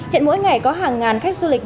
hiện mỗi ngày có hàng ngàn khách du lịch